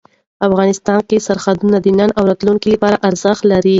افغانستان کې سرحدونه د نن او راتلونکي لپاره ارزښت لري.